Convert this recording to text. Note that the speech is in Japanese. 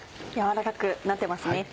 やわらかくなってますね。